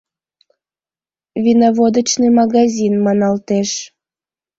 «Вино-водочный магазин» маналтеш...